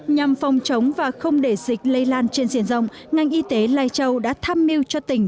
nhằm phòng chống và không để dịch lây lan trên diện rộng ngành y tế lai châu đã tham mưu cho tỉnh